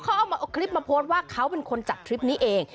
เอาคลิปมาโพสต์ว่าเขาเป็นคนจัดทริปนี้เอง